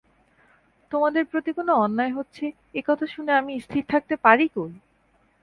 তোমাদের প্রতি কোনো অন্যায় হচ্ছে এ কথা শুনে আমি স্থির থাকতে পারি কই?